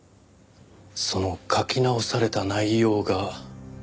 その書き直された内容が。